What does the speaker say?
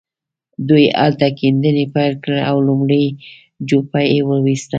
دوی هلته کيندنې پيل کړې او لومړۍ جوپه يې وويسته.